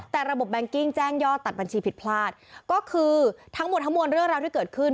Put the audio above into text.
แต่ระบบแบงกิ้งแจ้งยอดตัดบัญชีผิดพลาดก็คือทั้งหมดทั้งมวลเรื่องราวที่เกิดขึ้น